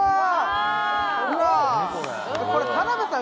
うわこれ田辺さん